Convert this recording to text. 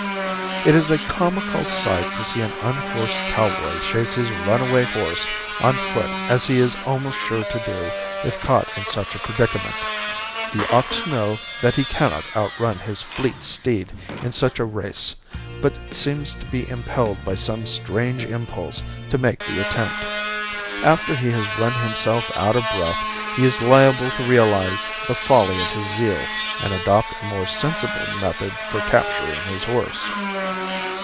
It is a comical sight to see an unhorsed cowboy chase his runaway horse on foot as he is almost sure to do if caught in such a predicament. He ought to know that he cannot outrun his fleet steed in such a race, but seems to be impelled by some strange impulse to make the attempt. After he has run himself out of breath he is liable to realize the folly of his zeal and adopt a more sensible method for capturing his horse.